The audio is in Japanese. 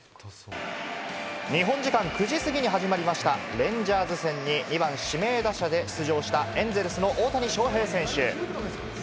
日本時間９時過ぎに始まりましたレンジャーズ戦に２番・指名打者で出場したエンゼルスの大谷翔平選手。